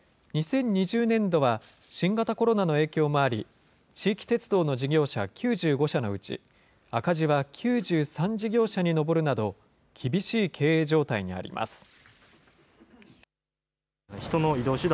２０２０年度は新型コロナの影響もあり、地域鉄道の事業者９５社のうち、赤字は９３事業者に上るなど、厳しい経営状態にあります。